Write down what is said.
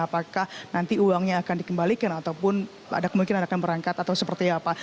apakah nanti uangnya akan dikembalikan ataupun ada kemungkinan akan berangkat atau seperti apa